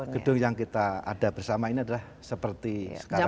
gedung yang kita ada bersama ini adalah seperti sekarang